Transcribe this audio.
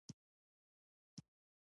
ایا ستاسو وروسته پاتې والی به جبران شي؟